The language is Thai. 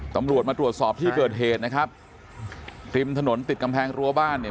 ตำรวจมาตรวจสอบที่เกิดเหตุนะครับริมถนนติดกำแพงรั้วบ้านเนี่ย